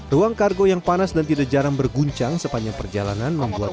ruang kargo yang panas dan tidak jarang berguncang sepanjang perjalanan membuat